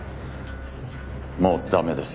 もう駄目です。